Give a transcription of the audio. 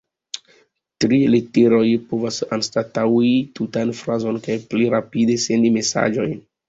Tri literoj povas anstataŭi tutan frazon kaj pli rapide sendi mesaĝojn.